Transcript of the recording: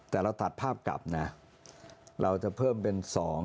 แต่เราตัดภาพกลับนะเราจะเพิ่มเป็น๒